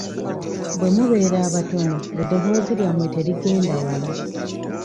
Bwe mubeera abatono eddoboozi lyammwe terigenda wala.